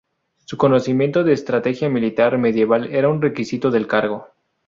Su conocimiento de estrategia militar medieval era un requisito del cargo.